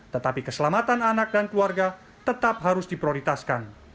tetapi keselamatan anak dan keluarga tetap harus diprioritaskan